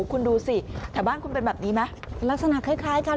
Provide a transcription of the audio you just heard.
คุณดูสิแถวบ้านคุณเป็นแบบนี้ไหมลักษณะคล้ายกัน